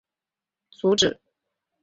但被阻止。